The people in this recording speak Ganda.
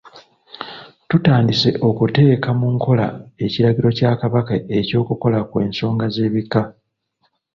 Tutandise okuteeka mu nkola ekiragiro kya Kabaka eky'okukola ku ensonga z'ebika.